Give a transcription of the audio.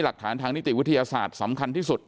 หลักฐานทางนิติวิทยาศาสตร์สำคัญที่สุด